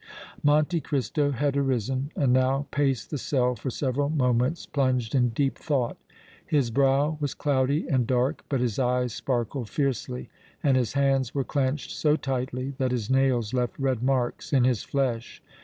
Monte Cristo had arisen and now paced the cell for several moments plunged in deep thought. His brow was cloudy and dark, but his eyes sparkled fiercely and his hands were clenched so tightly that his nails left red marks in his flesh.